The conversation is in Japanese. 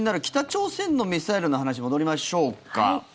北朝鮮のミサイルの話戻りましょうか。